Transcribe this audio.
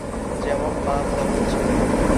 যেমন বাপ, তেমন ছেলে।